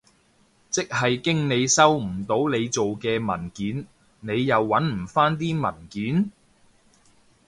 即係經理收唔到你做嘅文件，你又搵唔返啲文件？